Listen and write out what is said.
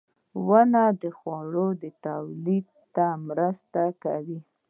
• ونه د خوړو تولید ته مرسته کوي.